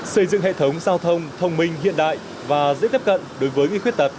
xây dựng hệ thống giao thông thông minh hiện đại và dễ tiếp cận đối với người khuyết tật